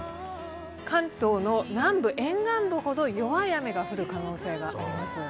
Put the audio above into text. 関東の南部、沿岸部ほど弱い雨が降る可能性があります。